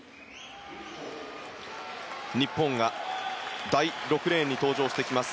日本が第６レーンに登場してきます